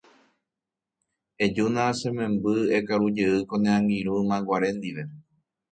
Ejána che memby ekarujey ko ne angirũ ymaguare ndive.